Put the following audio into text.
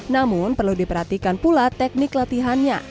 namun perlu diperhatikan pula teknik latihannya